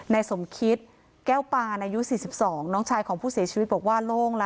สมคิตแก้วปานอายุ๔๒น้องชายของผู้เสียชีวิตบอกว่าโล่งละ